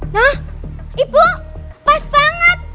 nah ibu pas banget